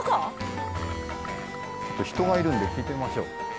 ちょっと人がいるんで聞いてみましょう。